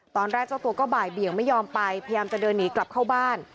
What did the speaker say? ตอนแรกเจ้าตัวก็บ่ายเบี่ยงไม่ยอมไปพยายามจะเดินหนีกลับเข้าบ้าน